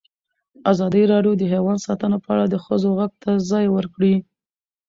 ازادي راډیو د حیوان ساتنه په اړه د ښځو غږ ته ځای ورکړی.